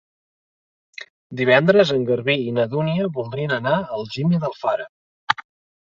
Divendres en Garbí i na Dúnia voldrien anar a Algímia d'Alfara.